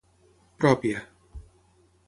Pròpia.